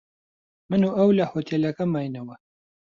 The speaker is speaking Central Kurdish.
من و ئەو لە هۆتێلەکە ماینەوە.